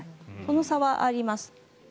この差はあります。